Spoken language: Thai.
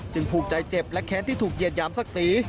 จึงผูกใจเจ็บและแข้นที่ถูกเหยียดหยามสักสี